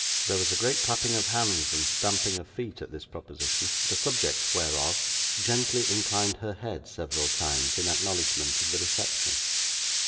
There was a great clapping of hands and stamping of feet, at this proposition; the subject whereof, gently inclined her head several times, in acknowledgment of the reception.